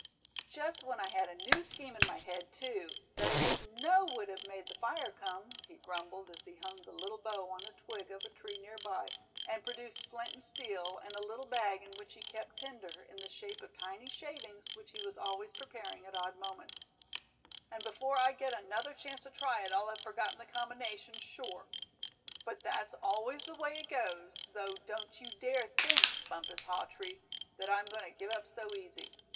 "Just when I had a new scheme in my head, too, that I just know would have made the fire come," he grumbled, as he hung the little bow on a twig of a tree near by, and produced flint and steel, and a little bag in which he kept tinder, in the shape of tiny shavings which he was always preparing at odd moments; "and before I get another chance to try it, I'll have forgotten the combination, sure. But that's always the way it goes; though don't you dare think Bumpus Hawtree, that I'm going to give up so easy.